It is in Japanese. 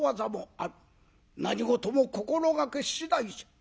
何事も心がけ次第じゃ」。